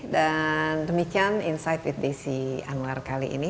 dan demikian insight with desi anwar kali ini